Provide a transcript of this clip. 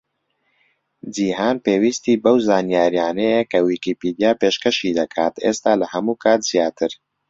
جیهان پێویستی بەو زانیاریانەیە کە ویکیپیدیا پێشکەشی دەکات، ئێستا لە هەموو کات زیاتر.